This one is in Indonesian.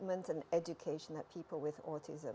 yang harus dilakukan orang orang dengan autism